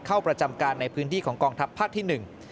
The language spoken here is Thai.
เข้าประจำการในพื้นที่ของกองทัพภักดิ์ที่๑